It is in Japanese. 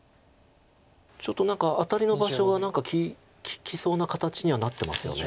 ちょっと何かアタリの場所が利きそうな形にはなってますよね。